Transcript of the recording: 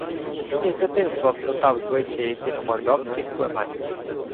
Він із дитинства всотав звичаї фіно-мордовських племен